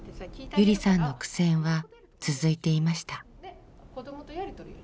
ゆりさんの苦戦は続いていました。